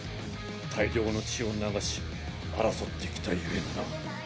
大量の血を流し争ってきた故のな